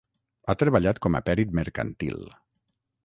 Ha treballat com a pèrit mercantil.